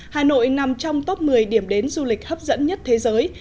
hà nội nằm trong top một mươi điểm đến du lịch hấp dẫn nhất thế giới